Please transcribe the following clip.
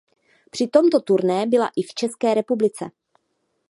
Při tomto turné byla i v České republice.